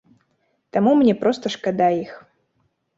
Таму мне проста шкада іх.